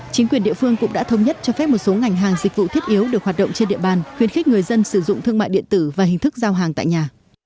chính quyền địa phương cũng đã thống nhất cho phép một số ngành hàng dịch vụ thiết yếu được hoạt động trên địa bàn khuyến khích người dân sử dụng thương mại điện tử và hình thức giao hàng tại nhà